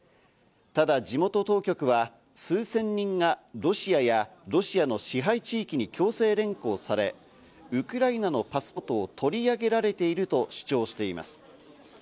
ただ地元当局は、数千人がロシアやロシアの支配地域に強制連行され、ウクライナのパスポートを取り上げられていると主張しています。